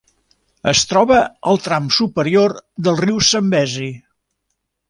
Es troba al tram superior del riu Zambezi.